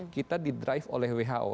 kita didrive oleh who